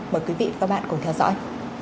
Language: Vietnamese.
mời quý vị và bạn cùng theo dõi